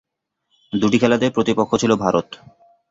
দুটি খেলাতেই প্রতিপক্ষ ছিল ভারত।